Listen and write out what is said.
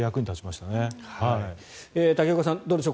竹岡さん、どうでしょう